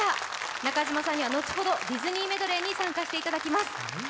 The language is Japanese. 中島さんには後ほどディズニーメドレーに参加していただきます。